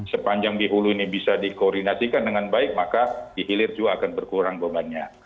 sepanjang di hulu ini bisa dikoordinasikan dengan baik maka di hilir juga akan berkurang bebannya